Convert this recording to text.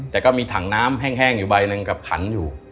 แต่ก็มีถังน้ำแห้งอยู่ใบหนึ่งกับขันอยู่